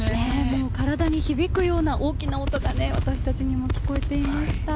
もう体に響くような大きな音が私たちにも聞こえていました。